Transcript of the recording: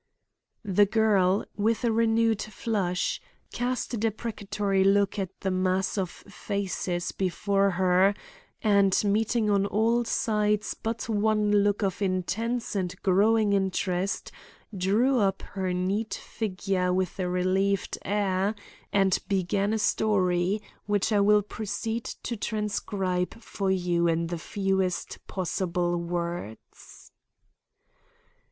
The girl, with a renewed flush, cast a deprecatory look at the mass of faces before her, and, meeting on all sides but one look of intense and growing interest, drew up her neat figure with a relieved air and began a story which I will proceed to transcribe for you in the fewest possible words.